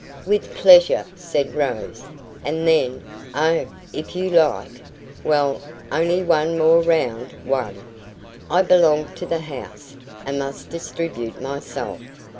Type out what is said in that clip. "With pleasure," said Rose. And then: "Oh, if you like." "Well, only one more round one." "I belong to the house, and must distribute myself."